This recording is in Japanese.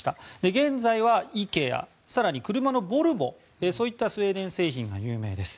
現在はＩＫＥＡ更に車のボルボそういったスウェーデン製品が有名です。